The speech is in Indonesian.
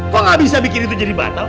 kok gak bisa bikin itu jadi batal